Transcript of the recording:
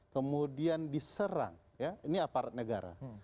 kemudian diserang ya ini aparat negara